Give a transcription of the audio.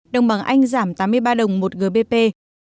đồng bằng anh giảm tám mươi ba đồng một đô la mỹ